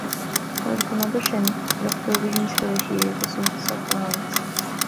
Murach an obair sin bheadh rudaí níos faide siar go suntasach gan amhras